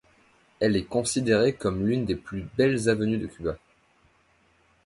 Elle est considérée comme l'une des plus belles avenues de Cuba.